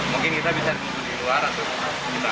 mungkin kita bisa di luar atau di mana